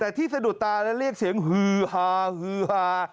แต่ที่สะดุดตานั้นเรียกเสียงฮือฮาฮือฮา